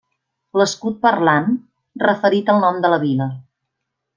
L'escut parlant, referit al nom de la vila.